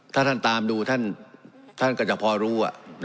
ถ้าท่านตามดูท่านก็จะพอรู้